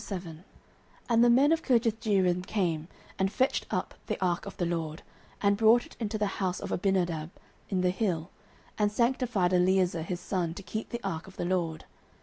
09:007:001 And the men of Kirjathjearim came, and fetched up the ark of the LORD, and brought it into the house of Abinadab in the hill, and sanctified Eleazar his son to keep the ark of the LORD.